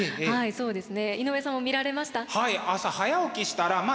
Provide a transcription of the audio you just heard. そうですね。